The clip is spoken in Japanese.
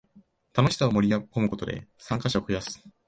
楽しさを盛りこむことで参加者を増やす